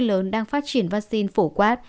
lớn đang phát triển vaccine phổ quát